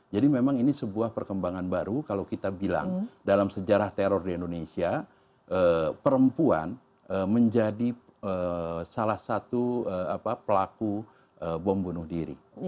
jadi memang ini sebuah perkembangan baru kalau kita bilang dalam sejarah teror di indonesia perempuan menjadi salah satu pelaku bom bunuh diri